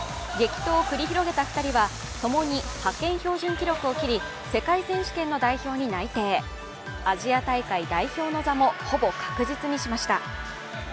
激闘を繰り広げた２人はともに、派遣標準記録を切り世界選手権の代表に内定アジア大会代表の座も、ほぼ確実にしました。